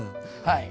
はい。